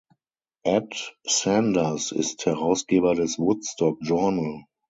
Ed Sanders ist Herausgeber des "Woodstock Journal".